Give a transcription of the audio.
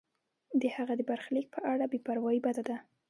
د هغه د برخلیک په اړه بې پروایی بده ده.